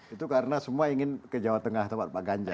itu karena semua ingin ke jawa tengah tempat pak ganjar